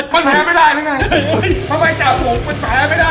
มันแพ้ไม่ได้เลยไง